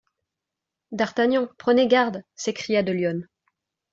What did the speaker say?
D'Artagnan, prenez garde ! s'écria de Lyonne.